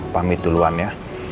pamit duluan ya